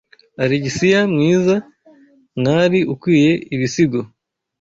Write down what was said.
Alexiya mwiza, mwari ukwiye ibisigo